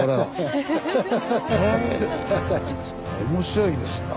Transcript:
面白いですね。